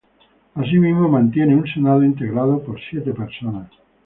Asimismo, mantiene un Senado integrado por siete personas.